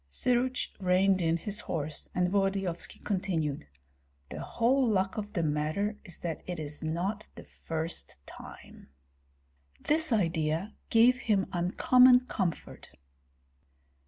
Syruts reined in his horse, and Volodyovski continued: "The whole luck of the matter is that it is not the first time!" This idea gave him uncommon comfort.